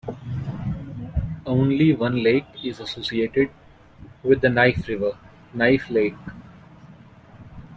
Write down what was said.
Only one lake is associated with the Knife River: Knife Lake.